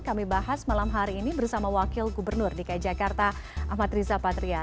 kami bahas malam hari ini bersama wakil gubernur dki jakarta ahmad riza patria